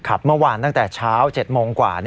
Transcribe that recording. เมื่อวานตั้งแต่เช้า๗โมงกว่า